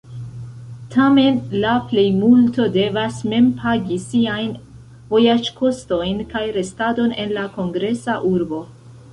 Tamen la plejmulto devas mem pagi siajn vojaĝkostojn kaj restadon en la kongresa urbo.